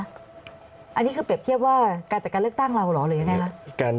อันนี้คือเปรียบเทียบว่าการจัดการเลือกตั้งเราเหรอหรือยังไงคะ